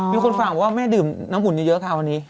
มีคนฝากบอกว่าแม่ดื่มน้ำหุ่นเยอะค่ะวันนี้